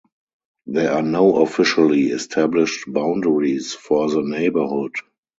There are no officially established boundaries for the neighborhood.